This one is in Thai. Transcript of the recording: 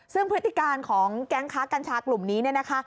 ซึ่งพฤติการของแก๊งค้ากัญชากลุ่มนี้เนี่ยนะคะ